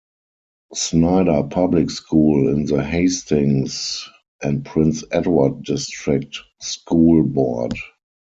Snider Public School in the Hastings and Prince Edward District School Board.